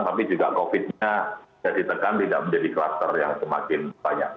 tapi juga covid nya bisa ditekan tidak menjadi kluster yang semakin banyak